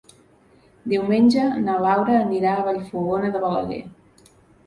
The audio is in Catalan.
Diumenge na Laura anirà a Vallfogona de Balaguer.